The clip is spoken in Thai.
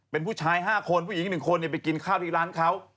เป็นผู้ชาย๕คนผู้หญิง๑คนไปกินข้าวที่ร้านเขา